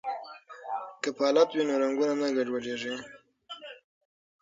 که پالت وي نو رنګونه نه ګډوډیږي.